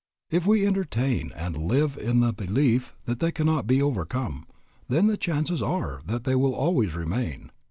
If we entertain and live in the belief that they cannot be overcome, then the chances are that they will always remain.